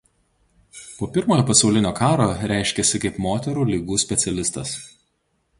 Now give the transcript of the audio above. Po Pirmojo pasaulinio karo reiškėsi kaip moterų ligų specialistas.